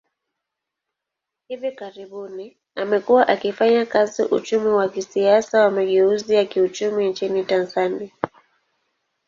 Hivi karibuni, amekuwa akifanya kazi uchumi wa kisiasa wa mageuzi ya kiuchumi nchini Tanzania.